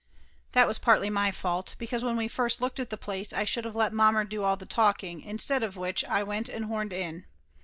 That was partly my fault, because when we first looked at the place, I should of let mommer do all the talking, instead of which I went and horned in.